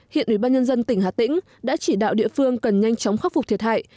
hiện ủy ban nhân dân tỉnh hà tĩnh đã chỉ đạo địa phương cần nhanh chóng khắc phục thiệt hại